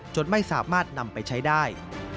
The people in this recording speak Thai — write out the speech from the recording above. จนไม่สามารถนำไปใช้ได้